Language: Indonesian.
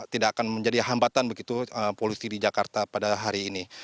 tidak akan menjadi hambatan begitu polusi di jakarta pada hari ini